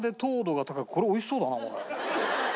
これ美味しそうだなおい。